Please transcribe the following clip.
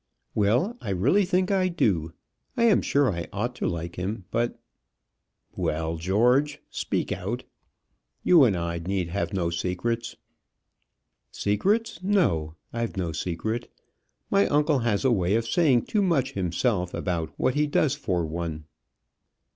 "Well; I really think I do. I am sure I ought to like him. But " "Well, George; speak out. You and I need have no secrets." "Secrets, no; I've no secret. My uncle has a way of saying too much himself about what he does for one."